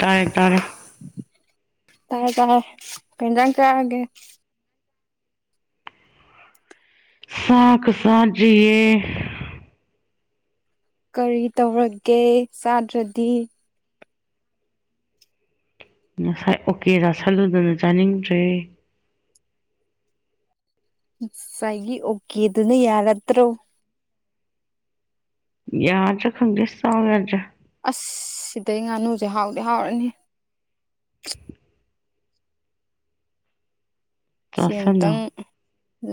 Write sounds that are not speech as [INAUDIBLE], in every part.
ꯇꯥꯏ ꯇꯔ ꯇꯥꯏ ꯇꯔ ꯄꯦꯟꯖꯥꯡ ꯀꯌꯥꯑꯒꯦ ꯁꯥꯈ ꯁꯥꯖꯤꯌꯦ ꯀꯔꯤ ꯇꯧꯔꯒꯦ ꯆꯥꯗ꯭ꯔꯗꯤ ꯉꯁꯥꯏ ꯑꯣꯀꯦ ꯔꯥꯁꯜꯂꯨꯗꯅ ꯆꯥꯅꯤꯡꯗ꯭ꯔꯦ ꯁꯥꯏꯒꯤ ꯑꯣꯀꯦ ꯑꯗꯨꯅ ꯌꯥꯔꯠꯇ꯭ꯔꯣ ꯌꯥ ꯆ ꯈꯪꯒꯦꯁ ꯇꯒ ꯌꯥꯖ ꯑꯁ ꯁꯤꯗꯩ ꯉꯥꯅꯨꯁꯦ ꯍꯥꯎꯗꯤ ꯍꯥꯎꯔꯅꯤ ꯁꯤ ꯆꯥꯁꯜꯂꯣ ꯑꯃꯨꯇꯪ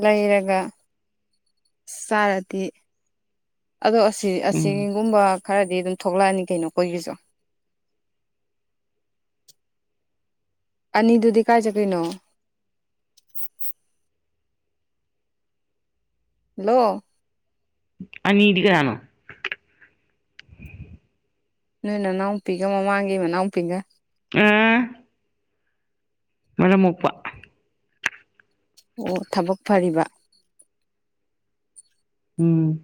ꯂꯩꯔꯒ ꯑ ꯆꯥꯔꯗꯤ ꯑꯗꯣ ꯑꯁꯤ ꯎꯝ ꯑꯁꯤꯒꯨꯝꯕ ꯈꯔꯗꯤ ꯑꯗꯨꯝ ꯊꯣꯛꯂꯛꯑꯅꯤ ꯀꯩꯅꯣ ꯑꯩꯈꯣꯏꯒꯤꯁꯨ ꯑꯅꯤꯗꯨꯗꯤ ꯀꯥꯏ ꯆꯀꯅꯣ ꯍꯜꯂꯣ ꯑꯅꯤꯇꯒꯅꯥꯅꯣ ꯅꯣꯏ ꯅꯅꯥꯎꯄꯤꯒ ꯃꯃꯥꯡꯒꯤ ꯃꯅꯥꯎꯄꯤꯒ ꯑꯥ ꯃꯔ ꯃꯨꯄ ꯑꯣ ꯊꯕꯛ ꯐꯔꯤꯕ ꯎꯝ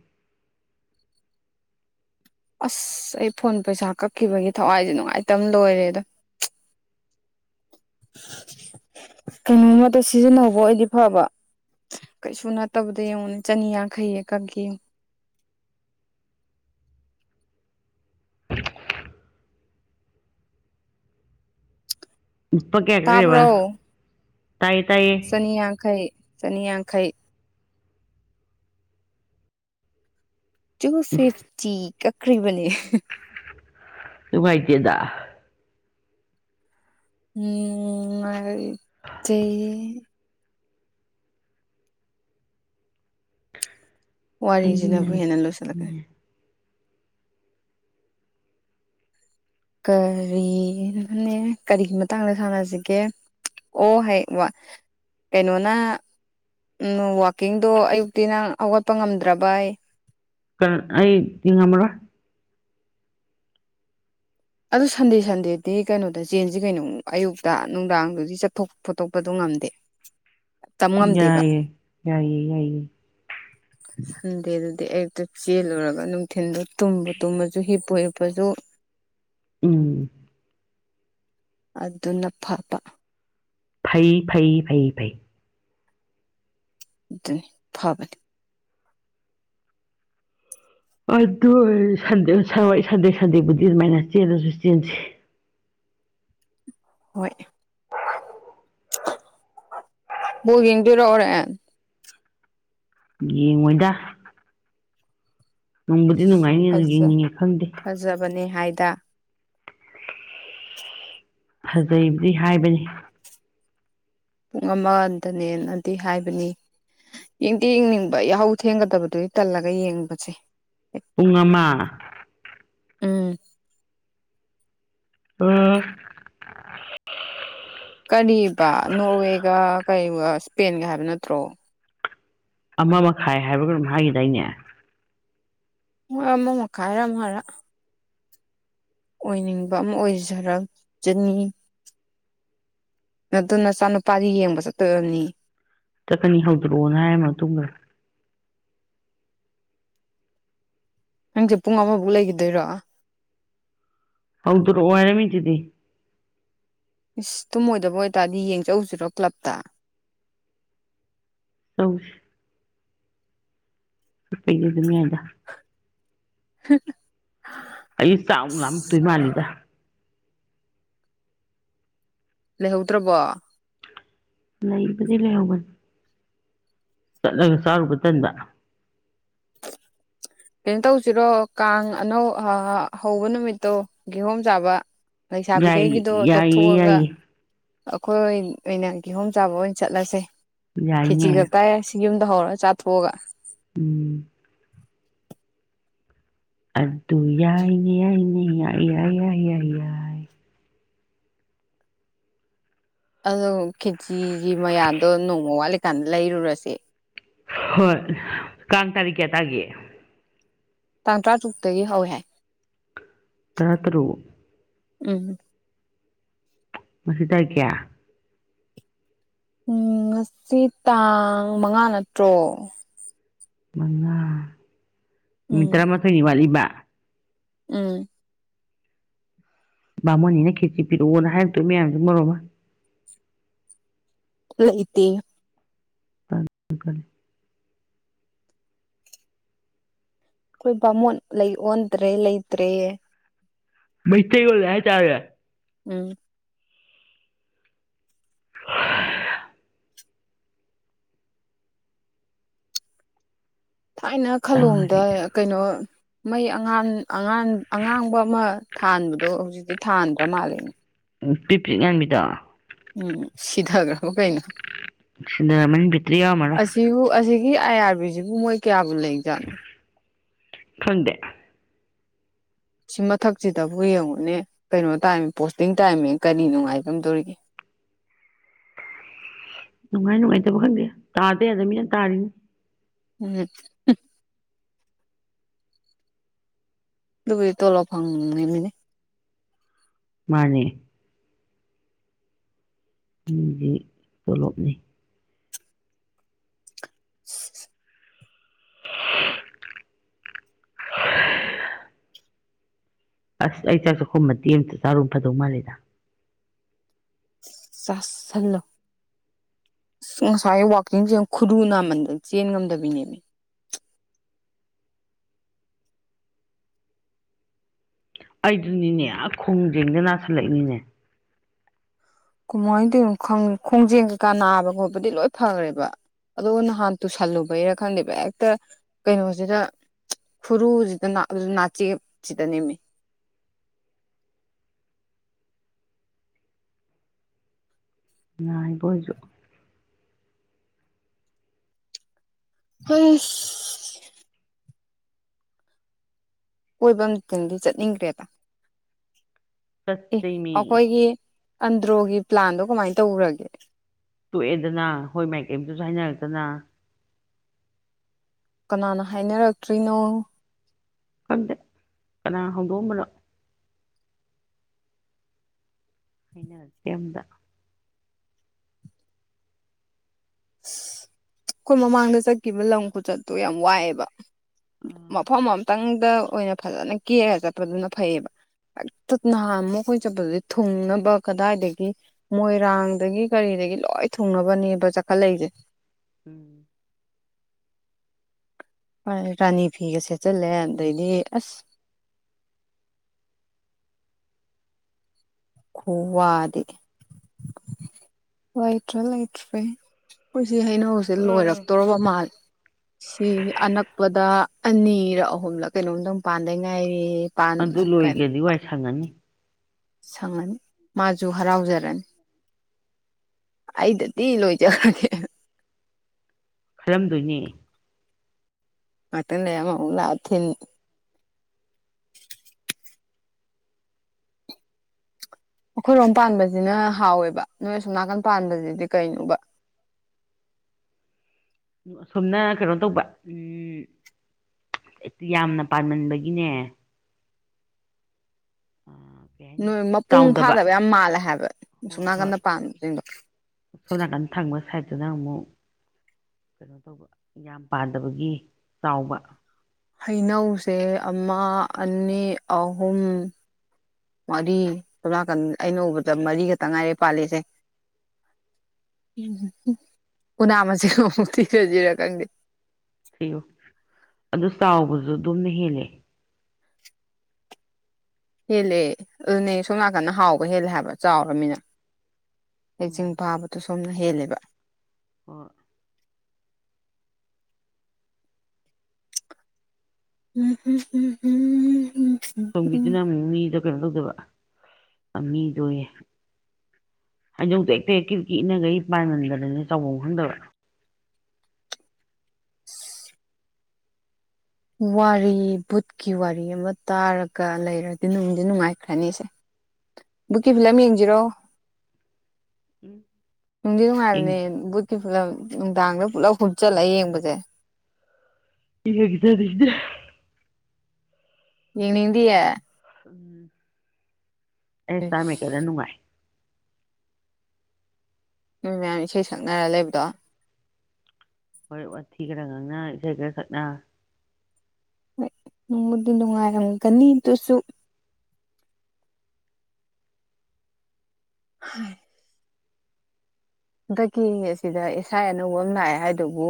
ꯑꯁ ꯑꯩ ꯐꯣꯟ ꯄꯩꯁꯥ ꯀꯛꯈꯤꯕꯒꯤ ꯊꯋꯥꯏꯁꯦ ꯅꯨꯡꯉꯥꯏꯇꯕ ꯂꯣꯏꯔꯦ ꯑꯗꯣ ꯀꯩꯅꯣꯝꯃꯇ ꯁꯤꯖꯤꯟꯅꯍꯧꯕ ꯑꯣꯏꯗꯤ ꯐꯕ ꯀꯩꯁꯨ ꯅꯠꯇꯕꯗ ꯌꯦꯡꯉꯅꯦ ꯆꯅꯤꯌꯥꯡꯈꯩꯌꯦ ꯀꯛꯈꯤ [UNINTELLIGIBLE] ꯎꯄ ꯀꯌꯥ ꯇꯥꯕ꯭ꯔꯣ ꯀꯦꯕ ꯆꯅꯤꯌꯥꯡꯈꯩ ꯆꯅꯤꯌꯥꯡꯈꯩ ꯇꯨ ꯐꯤꯐꯇꯤ ꯀꯈ꯭ꯕꯅꯦ ꯃꯥꯏꯇꯦꯗ ꯎꯝꯠꯇ ꯋꯥ ꯑꯩꯅ ꯄꯨꯋꯥꯔꯔꯤꯖꯅꯦꯕꯨꯍꯤ ꯍꯅꯦ ꯂꯣꯏ ꯆꯂꯒꯦ ꯀꯔꯤꯅꯅꯦ ꯀꯔꯤꯒꯤ ꯃꯇꯥꯡꯗ ꯁꯥꯟꯅꯁꯤꯒꯦ ꯑꯣ ꯍꯣꯏ ꯋꯥ ꯀꯩꯅꯣꯅ ꯎꯝ ꯋꯥꯋꯥꯛꯀꯤꯡꯗꯣ ꯑꯌꯨꯛꯇꯤ ꯅꯪ ꯍꯧꯒꯠꯄ ꯉꯝꯗ꯭ꯔꯕ ꯑꯩ ꯀ ꯑꯩ ꯏ ꯉꯝꯕ꯭ꯔꯣ ꯑꯗꯨ ꯁꯟꯗꯦ ꯁꯟꯗꯦꯗꯤ ꯀꯩꯅꯣꯗ ꯆꯦꯟꯁꯤ ꯀꯩꯅꯣ ꯑꯌꯨꯛꯇ ꯅꯨꯡꯗꯥꯡꯗꯨꯗꯤ ꯆꯠꯊꯣꯛ ꯈꯣꯠꯇꯣꯛꯄꯗꯣ ꯉꯝꯗꯦ [INAUDIBLE] ꯉꯝꯗꯦꯕ ꯌꯥꯏꯌꯦ ꯌꯥꯏꯌꯦ ꯌꯥꯏꯌꯦ ꯁꯟꯗꯦꯗꯨꯗꯤ ꯑꯌꯨꯛꯇ ꯆꯦꯜꯂꯨꯔꯒ ꯅꯨꯡꯊꯤꯟꯜꯗ ꯇꯨꯝꯕ ꯇꯨꯝꯃꯁꯨ ꯍꯤꯞꯄꯨ ꯍꯤꯞꯄꯁꯨ [INAUDIBLE] ꯎꯝ ꯑꯗꯨꯗꯨꯅ ꯄꯥꯄ ꯐꯩ ꯐꯩ ꯐꯩ ꯐꯩ ꯑꯗꯨꯅꯤ ꯐꯕꯅꯤ ꯑꯗꯨ ꯁꯟꯗꯦ ꯁꯟꯗꯦꯕꯨꯗꯤ ꯑꯗꯨꯃꯥꯏꯅ ꯆꯦꯜꯂꯁꯨ ꯆꯦꯟꯁꯤ ꯍꯣꯏ ꯒꯡ ꯇꯔꯧꯔꯦꯟ ꯌꯦꯡꯉꯣꯏꯗ ꯅꯪꯕꯨꯗꯤ ꯅꯨꯡꯉꯥꯏꯅꯤ ꯑꯗꯨ ꯌꯦꯡꯅꯤꯡꯉꯦ ꯈꯪꯗꯦ ꯐꯥꯏꯗ ꯐꯖꯩꯕꯗꯤ ꯍꯥꯏꯕꯅꯤ ꯄꯨꯡ ꯑꯃꯗꯅꯦꯅꯗꯤ ꯍꯥꯏꯕꯅꯤ ꯌꯦꯡꯗꯤ ꯌꯦꯡꯅꯤꯡꯕ ꯌꯥꯍꯧ ꯊꯦꯡꯒꯗꯕꯗꯨꯗꯤ ꯇꯜꯂꯒ ꯌꯦꯡꯕꯁꯦ ꯄꯨꯡ ꯑꯃ ꯎꯝ ꯎꯝ ꯀꯔꯤꯕ ꯅꯣꯔꯋꯦꯒ ꯀꯔꯤꯒ ꯏꯁꯄꯦꯟꯒ ꯍꯥꯏꯕ ꯅꯠꯇ꯭ꯔꯣ ꯑꯃ ꯃꯈꯥꯏ ꯍꯥꯏꯕꯒ ꯑꯗꯨꯝ ꯍꯥꯏꯈꯤꯗ ꯑꯩꯅꯦ ꯑꯃ ꯃꯈꯥꯏꯔꯝ ꯍꯥꯏꯔꯛ ꯑꯣꯏꯅꯤꯡꯕ ꯑꯃ ꯑꯣꯏꯖꯔꯛ ꯆꯅꯤ ꯑꯗꯨ ꯅꯆꯥꯅꯨꯄꯥꯗꯤ ꯌꯦꯡꯕ ꯆꯠꯇꯣꯏꯅꯤ ꯆꯠꯀꯅꯤ ꯍꯧꯗ꯭ꯔꯛꯑꯣꯅ ꯍꯥꯏꯔ ꯃꯇꯨꯡꯗ ꯅꯪꯁꯦ ꯄꯨꯡ ꯑꯃꯐꯥꯎꯛ ꯂꯩꯈꯤꯗꯣꯏꯔꯣ ꯍꯧꯥꯎ ꯇꯔ ꯋꯥ ꯍꯥꯏꯅ ꯃꯤꯇꯗꯤꯤ ꯏꯁꯁ ꯇꯨꯝꯃꯣꯏꯗꯕ ꯑꯣꯏꯇꯥꯔꯗꯤ ꯌꯦꯡꯖꯎꯁꯤꯔꯣ ꯀ꯭ꯂꯞꯇ ꯍ ꯎꯄꯒꯤ ꯑꯗꯨꯅꯗ [INAUDIBLE] ꯑꯩ ꯆꯥꯛ ꯑꯃꯨꯛ ꯂꯥꯝꯃꯛꯇꯣꯏ ꯃꯥꯜꯂꯤꯗ ꯂꯩꯍꯧꯗ꯭ꯔꯕꯣ ꯂꯩꯕꯗꯤ ꯂꯩꯍꯧꯒꯅꯤ ꯆꯠꯂꯒ ꯆꯥꯔꯨꯕ ꯇꯟꯗ ꯀꯩꯅꯣ ꯇꯧꯁꯤꯔꯣ ꯀꯥꯡ ꯑꯅꯧ ꯍꯧꯕ ꯅꯨꯃꯤꯠꯇꯣ ꯤꯍꯣꯝ ꯆꯥꯕ ꯌꯥꯏ ꯂꯩꯁꯥꯕꯤꯈꯩꯒꯤꯗꯣ ꯌꯥꯏꯌꯦ ꯇꯣꯛꯊꯣꯛꯑꯒ ꯌꯥꯏꯌꯦ ꯑꯩꯈꯣꯏ ꯑꯣꯏꯅ ꯀꯤꯍꯣꯝ ꯆꯥꯕ ꯑꯣꯏꯅ ꯆꯠꯂꯁꯦ ꯈꯦꯆꯤ ꯌꯥꯏꯅꯦ ꯈꯛꯇꯥꯏꯔ ꯌꯨꯝ ꯍꯔ ꯆꯥꯠ ꯍꯒ ꯎꯝ ꯑꯗꯨ ꯑꯗꯨ ꯌꯥꯏꯅꯦ ꯌꯥꯏꯅꯦ ꯌꯥꯏ ꯌꯥꯏ ꯌꯥꯏ ꯌꯥꯏ ꯌꯥꯏ ꯑꯗꯣ ꯀꯦꯖꯤꯒꯤ ꯃꯌꯥꯗꯣ ꯅꯣꯡꯃ ꯋꯥꯠꯂꯤꯀꯥꯟꯗ ꯂꯩꯔꯨꯔꯁꯦ ꯍꯣꯏ ꯀꯥꯡ ꯇꯥꯔꯤꯛꯀꯤꯌꯥꯇꯥꯒꯤ ꯇꯥꯡ ꯇꯔꯥꯇꯔꯨꯛꯇꯒꯤ ꯍꯧꯋꯦ ꯍꯥꯏ ꯇꯔꯥ ꯇꯔꯨꯛ ꯎꯝ ꯃꯁꯤꯁꯤ ꯇꯥꯏ ꯀꯌꯥ ꯎꯝ ꯉꯁꯤ ꯇꯥꯡ ꯃꯉꯥ ꯅꯠꯇ꯭ꯔꯣ ꯃꯉꯥ ꯅꯨꯃꯤꯠ ꯎꯝ ꯇꯔꯥꯃꯥꯊꯣꯏꯅꯤ ꯋꯥꯠꯂꯤꯕ ꯎꯝ ꯕꯥꯃꯣꯅꯤꯅ ꯈꯦꯠꯆ ꯄꯤꯔꯛꯑꯣꯅ ꯍꯥꯏꯔꯛꯇꯣꯏ ꯃꯌꯥꯝꯁꯦ ꯃꯔꯣ ꯑꯃ ꯂ ꯏꯇ ꯀꯦ ꯑꯩꯈꯣꯏ ꯕꯥꯃꯣꯣꯟ ꯂꯩ ꯑꯣꯟꯗ꯭ꯔꯦ ꯂꯩꯇ꯭ꯔꯦ ꯃꯩꯇꯩꯒꯣ ꯂ ꯆꯥ ꯎꯝ [UNINTELLIGIBLE] ꯊꯥꯏꯅ ꯈꯥꯂꯣꯝꯗ ꯇꯥꯔꯦ ꯀꯩꯅꯣ ꯃꯩ ꯑꯉꯥꯟ ꯑꯉꯥꯟ ꯑꯉꯥꯡꯕ ꯑꯃ ꯊꯥꯟꯕꯗꯣ ꯍꯧꯖꯤꯛꯇꯤ ꯊꯥꯟꯗ꯭ꯔ ꯃꯥꯜꯂꯤꯦꯅꯦ ꯎ ꯄꯤꯛ ꯄꯤꯛ ꯉꯥꯡꯕꯤꯗ ꯎꯝ ꯁꯤꯊꯈ꯭ꯔꯕ ꯀꯩꯅꯣ ꯁꯤꯟꯅꯔꯝꯃꯅꯤ ꯕꯦꯇ꯭ꯔꯤ ꯌꯥꯎꯔꯝꯃꯔꯣꯏ ꯑꯁꯤꯕꯨ ꯑꯁꯤꯒꯤ ꯒꯤ ꯑꯥꯏ ꯑꯥꯔꯕꯤꯁꯤꯕꯨ ꯃꯣꯏ ꯀꯌꯥꯕꯨ ꯂꯩ ꯖꯥꯠꯅꯣ ꯈꯪꯗꯦ ꯁꯤ ꯃꯊꯛꯁꯤꯗꯕꯨ ꯌꯦꯡꯉꯨꯅꯦ ꯀꯩꯅꯣ ꯇꯥꯏꯃꯤ ꯄꯣꯁꯇꯤꯡ ꯇꯥꯏꯝꯃꯦ ꯀꯔꯤ ꯅꯨꯡꯉꯥꯏꯕꯝꯗꯧꯔꯤꯒꯦ [UNINTELLIGIBLE] ꯅꯨꯡꯉꯥꯏ ꯅꯨꯡꯉꯥꯏꯇꯕ ꯈꯪꯗꯦ ꯇꯥꯗ ꯌꯥꯗꯕꯅꯤꯅ ꯇꯥꯔꯤꯅꯤ ꯎꯝ ꯑꯗꯨ ꯇꯂꯞ ꯐꯪꯃꯤꯅꯤ ꯃꯥꯅꯦ ꯃꯤꯒꯤ ꯇꯣꯂꯣꯞꯅꯤ ꯍ ꯑꯁ ꯑꯩ ꯆꯥꯛꯁꯨ ꯈꯨꯝꯃꯗꯦ ꯑꯃꯇ ꯆꯥꯔꯨꯝ ꯐꯗꯧ ꯃꯥꯜꯜꯂꯤꯦꯗ ꯆꯜꯂ ꯑ ꯉꯁꯥꯏ ꯋꯥꯛꯀꯤꯡꯁꯦ ꯈꯨꯔꯨ ꯅꯥꯃꯟꯗ ꯆꯦꯟ ꯉꯝꯗꯕꯤꯅꯦꯃꯤ ꯑꯩꯗꯨꯅꯤꯅꯦ ꯑ ꯈꯣꯡꯖꯦꯡꯗ ꯅꯥꯁꯤꯜꯂꯛꯏꯅꯤꯅꯦ ꯀꯃꯥꯏꯅ ꯇꯧꯅꯣ ꯈꯪ ꯈꯣꯡꯖꯦꯜ ꯀꯩꯀꯥ ꯅꯥꯕ ꯈꯣꯠꯄꯗꯤ ꯂꯣꯏ ꯐꯈ꯭ꯔꯦꯕ ꯑꯗꯣ ꯅꯍꯥꯟ ꯇꯨꯁꯜꯂꯨꯕꯩꯔ ꯈꯪꯗꯦꯕ ꯍꯦꯛꯇ ꯀꯩꯅꯣꯁꯤꯗ ꯐꯔꯨꯁꯤꯗ ꯅꯥꯆꯦ ꯁꯤꯗ ꯅꯦꯝꯃꯤ [UNINTELLIGIBLE] ꯥꯏꯕꯁꯨꯣ ꯍꯣꯏ ꯀꯣꯏꯕ ꯑꯃꯇꯗꯤ ꯆꯠꯅꯤꯡꯈ꯭ꯔꯦꯗ ꯑꯦ ꯁꯁꯤꯃꯤ ꯑꯩꯈꯣꯏꯒꯤ ꯑꯟꯗ꯭ꯔꯣꯒꯤ ꯄ꯭ꯂꯥꯟꯗꯣ ꯀꯃꯥꯏꯅ ꯇꯧꯔꯒꯦ ꯇꯣꯛꯑꯦꯗꯅ ꯍꯣꯏ ꯃꯥꯏꯀꯩꯝꯇꯁꯨ ꯍꯥꯏꯅꯔꯛꯇꯅ ꯀꯅꯥꯅ ꯍꯥꯏꯅꯔꯛꯇ꯭ꯔꯤꯅꯣ ꯀꯗꯦ ꯀꯅꯥ ꯍꯧꯣꯝꯕꯂꯣ ꯑꯩꯅꯛꯇꯦꯝꯗ ꯑ ꯑꯩꯈꯣꯏ ꯃꯃꯥꯡꯗ ꯆꯠꯈꯤꯕ ꯂꯝ ꯀꯆꯠꯇꯣ ꯌꯥꯝ ꯋꯥꯏꯑꯦꯕ ꯑꯥ ꯃꯐꯝ ꯑꯝꯇꯪꯗ ꯑꯣꯏꯅ ꯐꯖꯅ ꯀꯦꯛꯔꯒ ꯆꯠꯄꯗꯨꯅ ꯐꯩꯌꯦꯕ ꯍꯦꯛꯇ ꯅꯍꯥ ꯑꯃ ꯑꯩꯈꯣꯏ ꯆꯠꯄꯗꯨꯗꯤ ꯊꯨꯡꯅꯕ ꯀꯗꯥꯏꯗꯒꯤ ꯃꯣꯏꯔꯥꯡꯗꯒꯤ ꯀꯔꯤ ꯁꯤꯗꯒꯤ ꯂꯣꯏ ꯊꯨꯡꯅꯕꯅꯦꯕ ꯆꯥꯈꯠꯂꯛꯏꯁꯦ ꯎꯝ ꯍꯣꯏ ꯔꯥꯅꯤ ꯐꯤꯒ ꯁꯦꯠꯆꯤꯜꯂꯦ ꯑꯗꯩꯗꯤ ꯑꯁ [UNINTELLIGIBLE] ꯀꯨꯋꯥꯗꯤ ꯂꯏꯠ꯭ꯔꯦ ꯂꯥꯏꯠ ꯐꯦ ꯁꯤ ꯍꯩꯅꯧꯁꯦ ꯎꯝ ꯂꯣꯏꯔꯛꯇꯣꯔꯔꯕ ꯃꯥꯜ ꯁꯤ ꯑꯅꯛꯄꯗ ꯑꯅꯤꯔꯛ ꯑꯍꯨꯝꯂꯛ ꯀꯩꯅꯣꯝꯗꯪ ꯃꯄꯥꯟꯗꯩ ꯉꯥꯏꯔꯤ ꯄꯥꯟ ꯑꯗꯨ ꯂꯣꯏꯒꯗꯤ ꯋꯥꯏ ꯁꯪꯉꯅꯤ ꯁꯪ ꯃꯖꯨꯍ ꯔꯥꯎꯖꯔꯟ ꯑꯩꯗ ꯇꯤ ꯂꯣꯏꯖꯔꯒꯦ ꯈꯔꯝꯗꯣꯏꯅꯦ ꯃ ꯂꯩꯃ ꯊꯤꯟ ꯑꯩꯈꯣꯏꯔꯣꯝ ꯄꯥꯟꯕꯁꯤꯅ ꯍꯥꯎꯋꯦꯕ ꯅꯣꯏ ꯑꯁꯣꯝ ꯅꯥꯀꯟ ꯄꯥꯟꯕꯁꯤꯗꯤ ꯀꯩꯅꯣꯕ [UNINTELLIGIBLE] ꯑꯁꯣꯝꯅ ꯀꯩꯅꯣ ꯇꯧꯕ ꯎꯝ ꯌꯥꯝꯅ ꯄꯥꯃꯟꯕꯒꯤꯅꯦ ꯀꯩ ꯍꯥꯏꯅꯤ ꯅꯣꯏ ꯃꯄꯨꯡ ꯆꯥꯎꯗꯕ ꯐꯥꯗꯕ ꯌꯥꯝ ꯃꯥꯜꯂꯦ ꯍꯥꯏꯕ ꯁꯨꯡꯅꯥ ꯀꯅ ꯄꯥꯟꯕꯥꯁꯤꯡꯗꯣ ꯁꯣꯅꯥꯒꯅ ꯊꯥꯡꯕ ꯁꯥꯏ ꯑꯗꯨꯗ ꯑꯃꯨꯛ ꯀꯩꯅꯣ ꯇꯧꯕ ꯌꯥꯝ ꯄꯥꯗꯕꯒꯤ ꯆꯥꯎꯕ ꯍꯩꯅꯧꯁꯦ ꯑꯃ ꯑꯅꯤ ꯑꯍꯨꯝ ꯃꯔꯤ ꯇꯣꯝꯀꯟ ꯑꯩꯅ ꯎꯕꯗ ꯃꯔꯤꯒ ꯇ ꯉꯥꯏꯔꯦ ꯄꯥꯜꯂꯤꯁꯦ ꯎꯅ ꯑꯃꯖꯤꯛꯇꯔꯖꯤꯔꯀꯦ ꯊꯤꯌꯣ ꯑ ꯆꯥꯎꯕꯁꯨ ꯑꯗꯨꯝꯅ ꯍꯦꯜꯂꯦ ꯍꯦꯜꯂꯦ ꯑꯗꯨꯅꯦ ꯁꯣꯝ ꯅꯥꯀꯟꯗ ꯍꯥꯎꯕ ꯍꯦꯜꯂꯦ ꯍꯥꯏꯕ ꯆꯥꯎꯔꯕꯃꯤꯅ ꯀꯦꯛꯆꯤꯡ ꯐꯥꯕꯗꯨꯣ ꯁꯣꯝꯅ ꯍꯦꯜꯂꯦꯕ ꯑꯣ ꯎ ꯑꯁꯣꯝꯒꯤꯗꯨꯅ ꯑꯃꯨꯛ ꯃꯤꯗ ꯀꯩꯅꯣ ꯇꯧꯗꯕ ꯃꯤꯗꯣꯌꯦ ꯍꯥꯏꯗꯧꯇꯛꯇꯀꯤꯀꯤ ꯏꯅꯒꯩ ꯄꯥꯏꯃꯟꯗ꯭ꯔꯅꯦ ꯆꯥꯎꯐꯝ ꯈꯪꯗꯕ ꯋꯥꯔꯤ ꯕꯨꯠꯀꯤ ꯋꯥꯔꯤ ꯑꯃ ꯇꯥꯔꯒ ꯂꯩꯔꯗꯤ ꯅꯨꯡꯗꯤ ꯅꯨꯡꯉꯥꯏꯈ꯭ꯔꯅꯤꯁꯦ ꯕꯨꯛꯀꯤ ꯐꯤꯂꯝ ꯌꯦꯡꯁꯤꯔꯣ ꯎꯝ ꯅꯨꯡꯗꯤꯤ ꯅꯨꯡꯉꯥꯏꯜꯅꯦ ꯕꯨꯠꯀꯤ ꯄꯨꯂꯞ ꯅꯨꯡꯗꯥꯡꯗ ꯄꯨꯂꯞ ꯍꯨꯝꯆꯠꯂ ꯌꯦꯡꯕꯁꯦ ꯍ ꯍꯗꯦ ꯑꯗꯨꯗꯗꯦ ꯌꯦ ꯅꯗꯤ ꯎꯝ ꯑꯦꯁꯥ ꯃ ꯀꯦꯗꯅꯅꯨꯡꯥꯏ ꯅꯣꯏ ꯃꯌꯥꯝ ꯏꯁꯩ ꯁꯛꯅꯔ ꯂꯩꯕꯗꯣ ꯍꯣꯏ ꯑꯣꯊꯤ ꯈꯔ ꯉꯪꯅ ꯏꯁꯩ ꯈꯔ ꯈꯠꯅ ꯅꯣꯡꯃꯗꯤ ꯅꯨꯡꯉꯥꯏꯔꯝꯒꯅꯤ ꯑꯗꯨꯁꯨ ꯎ ꯍꯟꯗꯛꯀꯤ ꯑꯁꯤꯗ ꯏꯁꯥ ꯑꯅꯧꯕ ꯑꯃ ꯂꯥꯛꯑꯦ ꯍꯥꯏꯗꯨꯕꯨ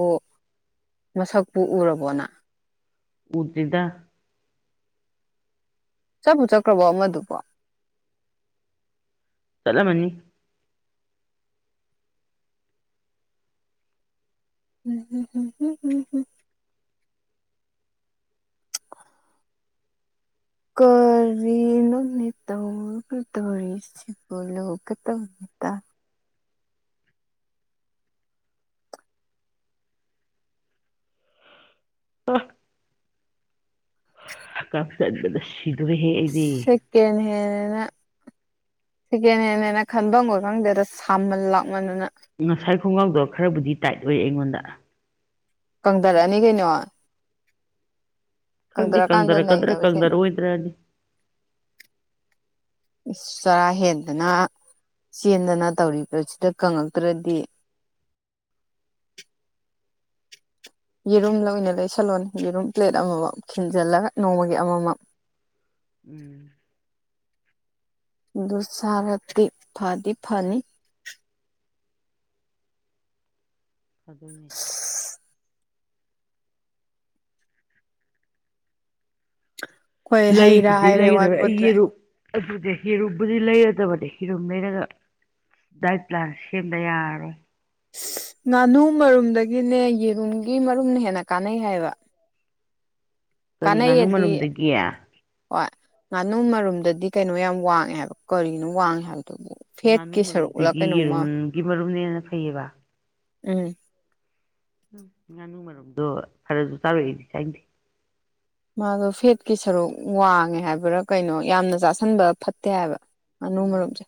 ꯃꯁꯥꯛꯕꯨ ꯎꯔ ꯑꯔꯕꯣꯅ ꯎꯗꯔꯤꯗ ꯆꯠꯄꯨ ꯆꯠꯈ꯭ꯔꯕꯣ ꯑꯃꯗꯨꯕꯣ ꯃꯅꯤ ꯎꯝꯝꯝꯝ ꯎꯝꯝ ꯀꯔꯤꯅꯣ ꯇꯧꯒ ꯇꯧꯔꯤꯁꯤꯕꯂꯣ ꯀ ꯇꯧꯅꯤ ꯠꯇ ꯄꯐ ꯍ ꯀꯥꯞꯗꯁꯤꯗꯨꯦ ꯍꯦ ꯁꯀꯦꯟ ꯍꯦꯟ ꯁꯦꯀꯦꯟ ꯍꯦꯦꯅ ꯈꯟꯐꯝꯈꯣꯏ ꯈꯪꯗꯦꯗ ꯁꯃꯜ ꯂꯥꯛꯃꯟꯗꯨꯅ ꯉꯁꯥꯏ ꯈꯣꯡꯒ꯭ꯔꯥꯎꯗꯣ ꯈꯔꯕꯨꯗꯤ ꯇꯥꯏꯠ ꯑꯣꯏ ꯑꯩꯉꯣꯟꯗ ꯀꯪꯊꯔꯛꯑꯅꯤ ꯀꯩꯅꯣ ꯈꯪꯗꯦ ꯀꯪꯊꯔꯀꯥꯟꯗ ꯀꯪꯗꯔꯛꯀꯗ꯭ꯔꯥ ꯅꯩꯅꯕ ꯁꯦꯟꯅ ꯀꯪꯗꯔꯑꯣ ꯑꯣꯏꯗ꯭ꯔꯗꯤ ꯁꯥꯍꯦꯗꯅ ꯆꯦꯟꯗꯅ ꯇꯧꯔꯤꯕꯁꯤꯗ ꯀꯪꯉꯛꯇ꯭ꯔꯗꯤ ꯌꯦꯔꯨꯝ ꯂ ꯑꯣꯏꯅ ꯂꯩꯁꯜꯂꯣꯅꯦ ꯌꯦꯔꯨꯝ ꯄ꯭ꯂꯦꯠ ꯑꯃꯃꯥꯎ ꯈꯤꯟꯖꯤꯜꯂꯒ ꯅꯣꯡꯃꯒꯤ ꯑꯃꯃꯝ ꯎꯝ ꯗꯨꯁꯥꯔꯠꯇꯤ ꯐꯗꯤ ꯐꯅꯤ ꯊꯗꯣꯏꯅꯦ ꯍꯣꯏ ꯍꯩ ꯔꯥ ꯂꯩꯕꯨꯗꯤ ꯍꯥꯏꯔꯦ ꯂꯩꯒꯗꯕ ꯋꯥꯠꯄꯣꯠꯇ꯭ꯔꯦ ꯑꯩꯒꯤ ꯔꯨꯞ ꯑꯗꯨꯗꯤ ꯌꯦꯔꯨꯝꯕꯨꯗꯤ ꯂꯩꯔꯗꯕꯅꯦ ꯌꯦꯔꯨꯝ ꯂꯩꯔꯒ ꯗꯥꯏꯠ ꯄ꯭ꯂꯥꯟ ꯁꯦꯝꯗ ꯌꯥꯔꯔꫭꯏ ꯉꯥꯅꯨ ꯃꯔꯨꯝꯗꯒꯤꯅꯦ ꯌꯦꯔꯨꯝꯒꯤ ꯃꯔꯨꯝꯅ ꯍꯦꯟꯅ ꯀꯥꯟꯅꯩ ꯍꯥꯏꯕ [INAUDIBLE] ꯀꯔꯤ ꯉꯥꯅꯨ ꯀꯥꯟꯅꯩꯌꯦꯗꯤ ꯃꯔꯨꯝꯗꯒꯤ ꯍꯣꯏ ꯉꯥꯅꯨ ꯃꯔꯨꯝꯗꯗꯤ ꯀꯩꯅꯣ ꯌꯥꯝ ꯋꯥꯡꯉꯦ ꯍꯥꯏꯕ ꯀꯔꯤꯅꯣ ꯋꯥꯡꯉꯦ ꯍꯥꯏꯕꯗ ꯉꯥꯅꯨ ꯃꯔꯨꯞꯇꯒꯤ ꯌꯦꯔꯨꯝꯒꯤ ꯃꯔꯨꯞꯅꯦꯅ ꯐꯩꯌꯦꯕ ꯎꯝ ꯎꯝ ꯉꯥꯅꯨ ꯃꯔꯝꯗꯣ ꯐꯔꯁꯨ ꯆꯥꯔꯛꯏꯗꯤ ꯆꯥꯏꯗꯦ ꯃꯥꯗꯣ ꯐꯦꯠꯀꯤ ꯁꯔꯨꯛ ꯋꯥꯡꯉꯦ ꯍꯥꯏꯕ꯭ꯔꯥ ꯀꯩꯅꯣ ꯌꯥꯝꯅ ꯆꯥꯁꯟꯕ ꯐꯠꯇꯦ ꯍꯥꯏꯕ ꯑꯥꯅꯨ ꯎꯝ ꯃꯔꯨꯞꯁꯦ